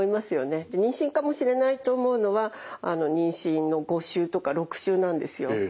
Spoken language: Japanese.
妊娠かもしれないと思うのは妊娠の５週とか６週なんですよ。